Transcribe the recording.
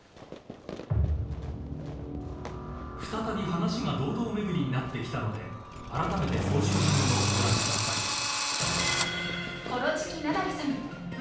［再び話が堂々巡りになってきたのであらためて総集編をご覧ください］